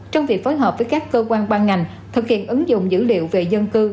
trong việc phối hợp với các cơ quan ban ngành thực hiện ứng dụng dữ liệu về dân cư